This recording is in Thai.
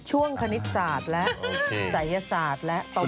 ช่วงคณิตศาสตร์และศัยศาสตร์และประวัติศาสตร์